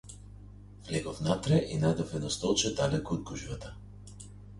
Влегов внатре и најдов едно столче далеку од гужвата.